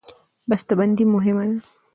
بسته بندي مهمه ده.